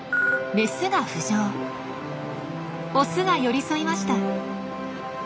オスが寄り添いました。